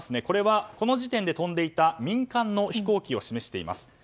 これは、この時点で飛んでいた民間の飛行機を示しています。